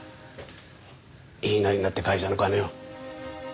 言いなりになって会社の金を。